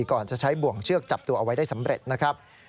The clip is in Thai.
ก่อนจะใช้บ่วงเชือกจับตัวเอาไว้ได้สำเร็จนะครับ